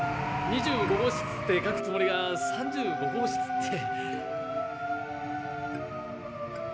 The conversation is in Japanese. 「２５号室」って書くつもりが「３５号室」って。